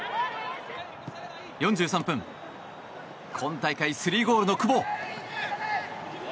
４３分、今大会３ゴールの久保。